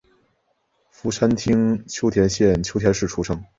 福山町秋田县秋田市出生。